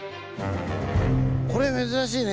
これ珍しいね。